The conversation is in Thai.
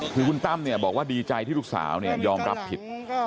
คือคุณตั้มบอกว่าดีใจที่ลูกสาวยอมรับผิด